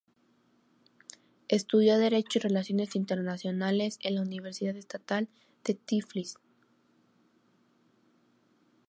Estudió Derecho y Relaciones Internacionales en la Universidad Estatal de Tiflis.